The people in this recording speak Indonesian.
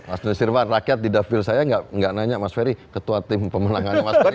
mas nusirwan rakyat di dapil saya nggak nanya mas ferry ketua tim pemenangan mas ferr